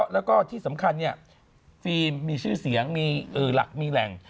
แล้วก็ที่สำคัญฟิล์มมีชื่อเสียงมีหลักมีแหล่ง